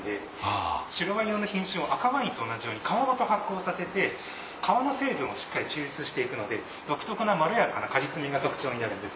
白ワイン用の品種を赤ワインと同じように皮ごと発酵させて皮の成分をしっかり抽出して行くので独特なまろやかな果実味が特徴になるんです。